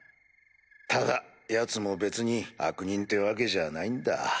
ただヤツも別に悪人ってわけじゃないんだ。